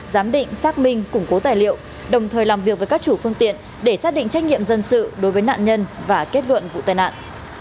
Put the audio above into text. giám định xác minh củng cố tài liệu đồng thời làm việc với các chủ phương tiện để xác định trách nhiệm dân sự đối với nạn nhân và kết luận vụ tai nạn